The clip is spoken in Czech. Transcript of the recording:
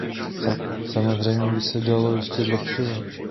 Samozřejmě by se dalo ještě zlepšovat.